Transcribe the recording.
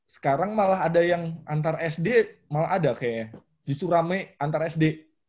sekarang malah ada yang antar sd malah ada kayaknya justru rame antar sd